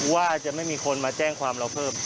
ว่าจะไม่มีคนมาแจ้งความเราเพิ่ม